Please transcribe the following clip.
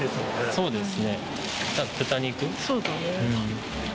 そうですね。